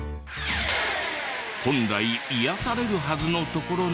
本来癒やされるはずの所なのに。